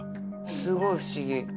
すごい不思議。